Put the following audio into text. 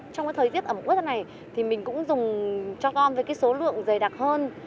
trong thời tiết ẩm ướt như thế này mình cũng dùng cho con với số lượng dày đặc hơn